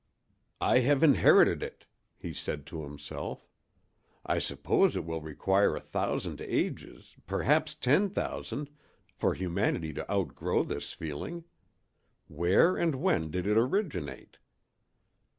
"I have inherited it," he said to himself. "I suppose it will require a thousand ages—perhaps ten thousand—for humanity to outgrow this feeling. Where and when did it originate?